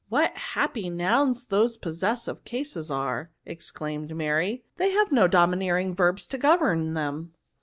What happy nouns those in the possessive case are !" exclaimed Mary ;" they have no domineering verbs to govern them."